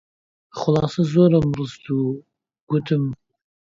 خولاسە زۆرم ڕست، گوتم: